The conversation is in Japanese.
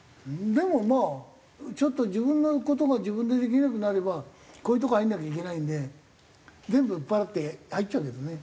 でもまあちょっと自分の事が自分でできなくなればこういうとこに入んなきゃいけないんで全部売っ払って入っちゃうけどね。